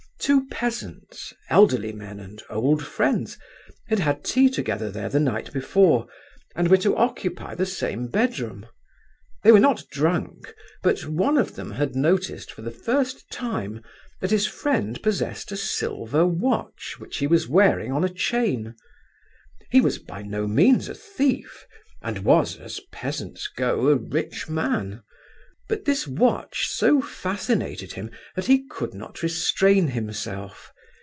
Two peasants—elderly men and old friends—had had tea together there the night before, and were to occupy the same bedroom. They were not drunk but one of them had noticed for the first time that his friend possessed a silver watch which he was wearing on a chain. He was by no means a thief, and was, as peasants go, a rich man; but this watch so fascinated him that he could not restrain himself.